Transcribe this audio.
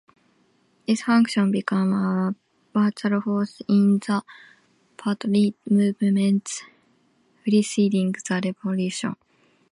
This faction became a vital force in the Patriot movements preceding the revolution.